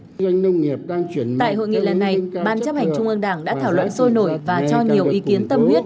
tại hội nghị lần này ban chấp hành trung ương đảng đã thảo luận sôi nổi và cho nhiều ý kiến tâm huyết